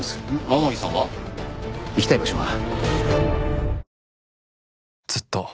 天樹さんは？行きたい場所が。